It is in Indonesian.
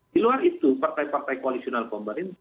di luar itu partai partai koalisional pemerintah